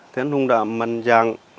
thì anh hùng đã mạnh dàng